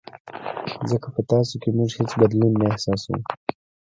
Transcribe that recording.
ځکه په تاسو کې موږ هېڅ بدلون نه احساسوو.